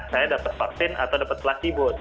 saya dapat vaksin atau dapat placebo